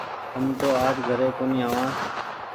هم تو آج گهري ڪونيٚ آوآن ۔